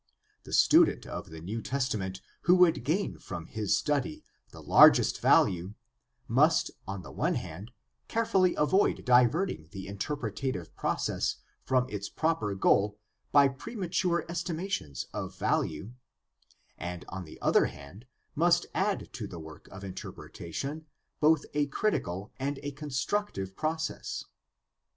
The student of the New Testament who would gain from his study the largest value must on the one hand carefully avoid diverting the interpretative process from its proper goal by premature estimations of value, and on the other hand must add to the work of interpretation both a critical and a constructive process.